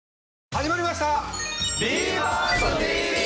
始まりました！